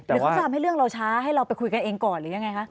หรือเขาจะทำให้เรื่องเราช้าให้เราไปคุยกันเองก่อนหรือยังไงคะ